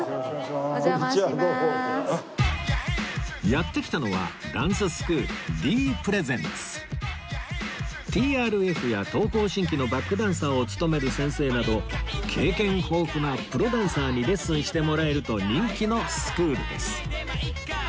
やって来たのはＴＲＦ や東方神起のバックダンサーを務める先生など経験豊富なプロダンサーにレッスンしてもらえると人気のスクールです